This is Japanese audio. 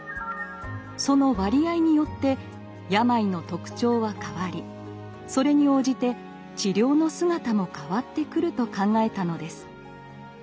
その割合によって病の特徴は変わりそれに応じて治療の姿も変わってくると考えたのです。